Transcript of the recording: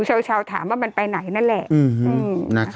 โทษทีน้องโทษทีน้อง